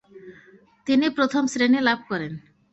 তিনি প্রথম শ্রেণি লাভ করেন।